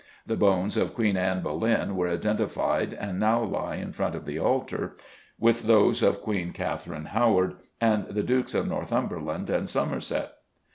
The bones of Queen Anne Boleyn were identified and now lie in front of the altar with those of Queen Katherine Howard, and the Dukes of Northumberland and Somerset.